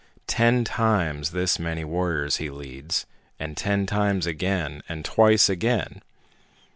"Ten times this many warriors he leads, and ten times again, and twice again!